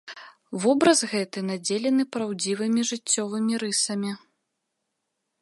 Вобраз гэты надзелены праўдзівымі жыццёвымі рысамі.